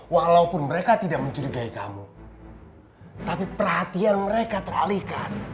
walaupun mereka tidak mencurigai kamu tapi perhatian mereka teralihkan